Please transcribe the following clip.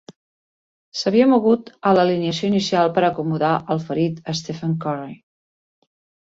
S'havia mogut a l'alineació inicial per acomodar el ferit Stephen Curry.